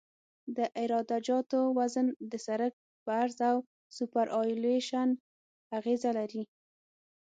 د عراده جاتو وزن د سرک په عرض او سوپرایلیویشن اغیزه لري